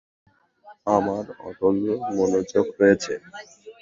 আমার অটল মনোযোগ রয়েছে।